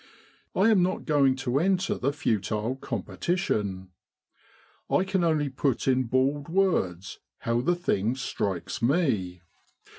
I am not going to enter the futile competition. I can only put in bald words how the thing strikes me.